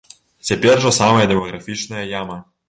Цяпер жа самая дэмаграфічная яма.